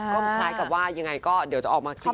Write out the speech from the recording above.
ก็คล้ายกับว่ายังไงก็เดี๋ยวจะออกมาเคลียร์